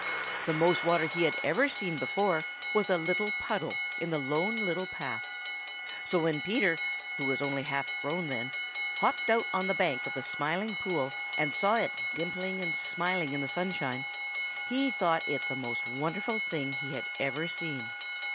The most water he had ever seen before was a little puddle in the Lone Little Path. So when Peter, who was only half grown then, hopped out on the bank of the Smiling Pool and saw it dimpling and smiling in the sunshine, he thought it the most wonderful thing he ever had seen.